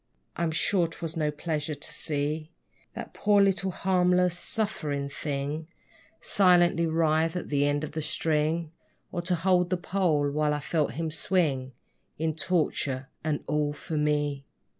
I'm sure 'twas no pleasure to see That poor little harmless, suffering thing Silently writhe at the end of the string, Or to hold the pole, while I felt him swing In torture, and all for me!